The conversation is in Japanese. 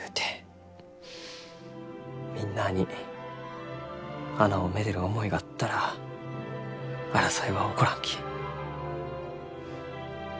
みんなあに花をめでる思いがあったら争いは起こらんき。